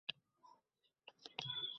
Ko’ray deya otam-onamni.